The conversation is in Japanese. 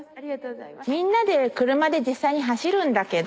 みんなで車で実際に走るんだけど。